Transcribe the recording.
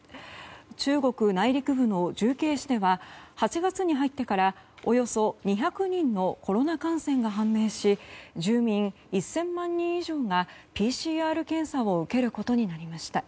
中国内陸部の重慶市では８月に入ってからおよそ２００人のコロナ感染が判明し住民１０００万人以上がＰＣＲ検査を受けることになりました。